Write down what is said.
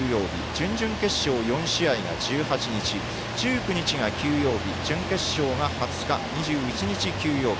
準々決勝、４試合が１８日１９日が休養日準決勝が２０日２１日、休養日。